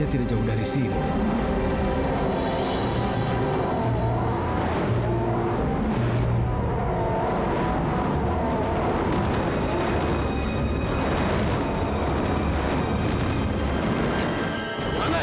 terima kasih geke